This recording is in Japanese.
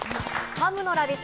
ハムのラヴィット！